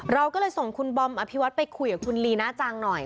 เราก็เลยส่งคุณบอมอภิวัตไปคุยกับคุณลีน่าจังหน่อย